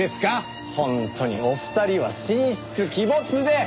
本当にお二人は神出鬼没で！